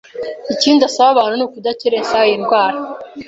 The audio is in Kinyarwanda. Ikindi asaba abantu ni ukudakerensa iyi ndwara